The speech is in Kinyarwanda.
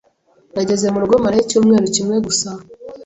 Nageze mu rugo marayo icyumweru kimwe gusa